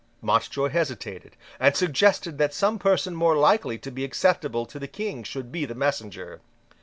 Mountjoy hesitated, and suggested that some person more likely to be acceptable to the King should be the messenger.